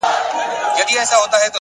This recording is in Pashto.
علم د پرمختګ لاره روښانه کوي!